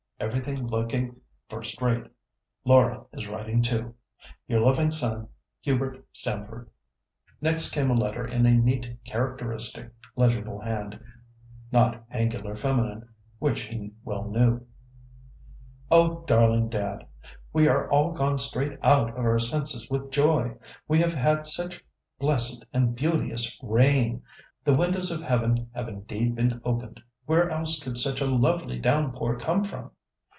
Everything looking first rate. Laura is writing too. "Your loving son, HUBERT STAMFORD." Next came a letter in a neat, characteristic, legible hand, not angular feminine, which he well knew:— "OH! DARLING DAD,—We are all gone straight out of our senses with joy. We have had such blessed and beauteous rain. The windows of Heaven have indeed been opened—where else could such a lovely downpour come from?